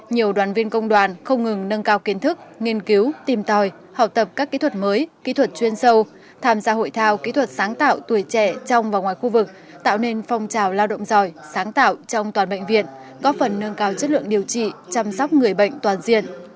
nhiều đoàn viên công đoàn không ngừng nâng cao kiến thức nghiên cứu tìm tòi học tập các kỹ thuật mới kỹ thuật chuyên sâu tham gia hội thao kỹ thuật sáng tạo tuổi trẻ trong và ngoài khu vực tạo nên phong trào lao động giỏi sáng tạo trong toàn bệnh viện góp phần nâng cao chất lượng điều trị chăm sóc người bệnh toàn diện